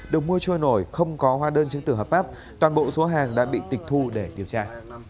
được mua trôi nổi không có hóa đơn chứng tử hợp pháp toàn bộ số hàng đã bị tịch thu để điều tra